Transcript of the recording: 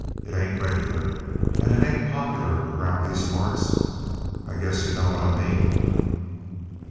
It ain't regular, and it ain't popular around these parts. I guess you know what I mean."